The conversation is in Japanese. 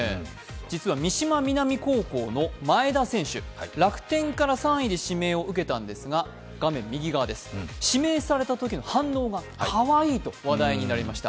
実は三島南高校の前田選手、楽天から３位で指名を受けたんですが、画面右側です、指名されたときの反応がかわいいと話題になりました。